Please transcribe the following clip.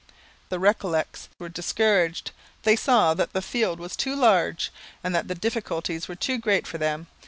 The Recollets were discouraged. They saw that the field was too large and that the difficulties were too great for them.